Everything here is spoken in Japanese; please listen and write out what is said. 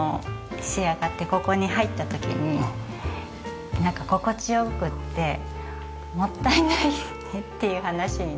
仕上がってここに入った時になんか心地良くってもったいないっていう話になり。